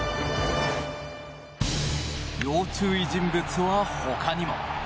要注意人物は他にも。